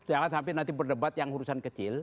jangan sampai nanti berdebat yang urusan kecil